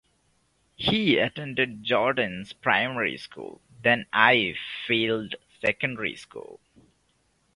He attended Jordan's primary school, then Ifield secondary school.